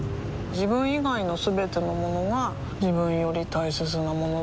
自分以外のすべてのものが自分より大切なものだと思いたい